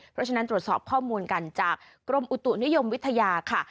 เพราะฉะนั้นตรวจสอบข้อมูลกันจากกรมอุตุนิยมวิทยาค่ะ